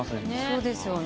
そうですよね。